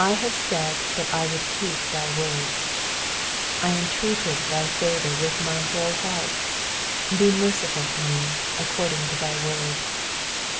have said that I would keep thy words. 58 I intreated thy favour with my whole heart : be merciful unto me according to thy word.